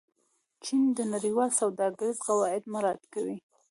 چین د نړیوالې سوداګرۍ قواعد مراعت کوي.